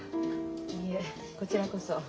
いいえこちらこそ。